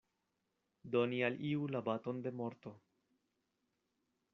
Doni al iu la baton de morto.